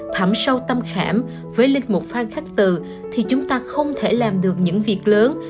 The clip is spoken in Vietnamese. thầm sâu tâm khảm với linh mục phan khắc từ thì chúng ta không thể làm được những việc lớn